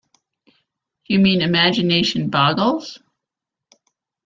You mean imagination boggles?